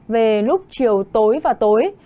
về lúc chiều tối và tối